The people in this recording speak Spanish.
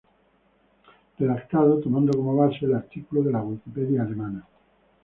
Redactado tomando como base el artículo de la Wikipedia alemana.